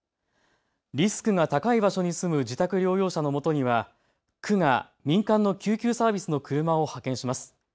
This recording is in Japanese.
リスクが高い場所に住む自宅療養者のもとには区が民間の救急サービスの車を派遣します。